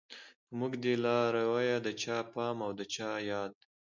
په موږ دی لارويه د چا پام او د چا ياد